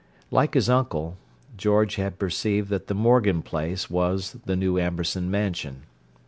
Like his uncle, George had perceived that the "Morgan Place" was the new Amberson Mansion.